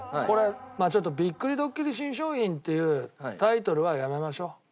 これびっくりドッキリ新商品っていうタイトルはやめましょう。